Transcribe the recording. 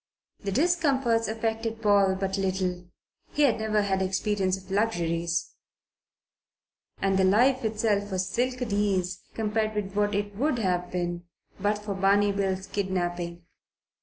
The discomforts affected Paul but little, he had never had experience of luxuries, and the life itself was silken ease compared with what it would have been but for Barney Bill's kidnapping.